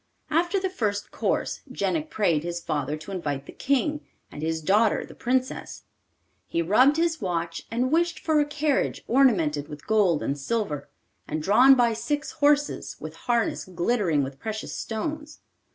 After the first course Jenik prayed his father to invite the King, and his daughter the Princess. He rubbed his watch and wished for a carriage ornamented with gold and silver, and drawn by six horses, with harness glittering with precious stones.